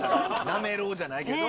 なめろうじゃないけど。